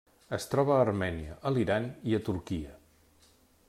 Es troba a Armènia, a l'Iran i a Turquia.